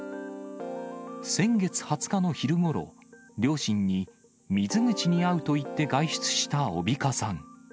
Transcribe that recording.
先月２０日の昼ごろ、両親に水口に会うと言って外出した小比賀さん。